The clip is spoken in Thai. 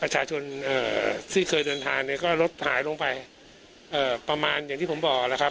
ประชาชนที่เคยเดินทางเนี่ยก็ลดหายลงไปประมาณอย่างที่ผมบอกแล้วครับ